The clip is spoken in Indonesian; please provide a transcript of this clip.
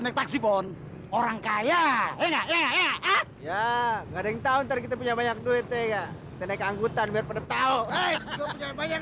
naik taksi pon orang kaya enggak enggak enggak enggak enggak enggak enggak enggak enggak enggak